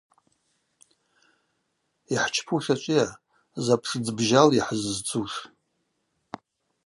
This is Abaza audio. Йхӏчпуш ачӏвыйа, запш дзбжьалйа хӏыззцуш?